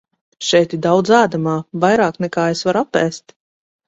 Šeit ir daudz ēdamā, vairāk nekā es varu apēst.